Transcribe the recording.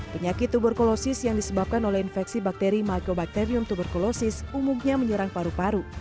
penyakit tuberkulosis yang disebabkan oleh infeksi bakteri mycobacterium tuberkulosis umumnya menyerang paru paru